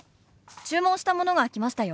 注文したものが来ましたよ。